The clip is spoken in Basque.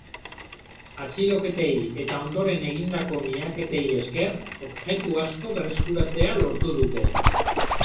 Atxiloketei eta ondoren egindako miaketei esker, objektu asko berreskuratzea lortu dute.